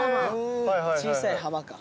小さい浜か。